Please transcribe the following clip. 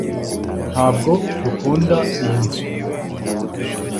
ntabwo dukunda iyi nzu